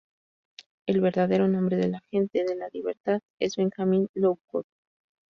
El verdadero nombre del Agente de la Libertad es Benjamin Lockwood.